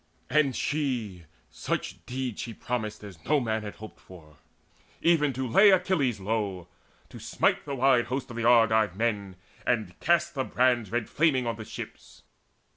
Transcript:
And she such deeds she promised as no man Had hoped for, even to lay Achilles low, To smite the wide host of the Argive men, And cast the brands red flaming on the ships.